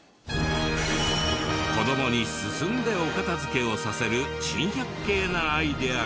子どもに進んでお片付けをさせる珍百景なアイデアが。